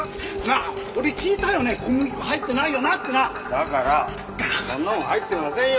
だからそんなもん入ってませんよ。